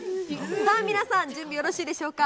さあ皆さん、準備よろしいでしょうか。